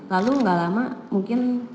lalu gak lama mungkin